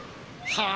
はあ？